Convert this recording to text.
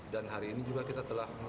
dan hari ini juga kita telah mencari